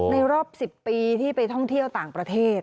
รอบ๑๐ปีที่ไปท่องเที่ยวต่างประเทศ